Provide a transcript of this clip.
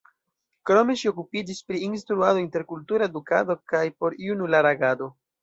Krome ŝi okupiĝis pri instruado, interkultura edukado kaj porjunulara agado.